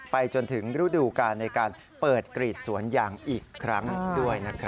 จนถึงฤดูการในการเปิดกรีดสวนยางอีกครั้งด้วยนะครับ